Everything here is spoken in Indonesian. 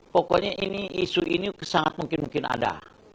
pokoknya isu ini sangat mungkin mungkin ada